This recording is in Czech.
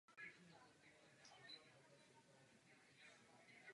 Inicioval také výstavbu "Národního domu" jako centra českého života ve městě.